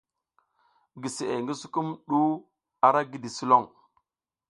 Giseʼe ngi sukumɗu ara gidi sulon.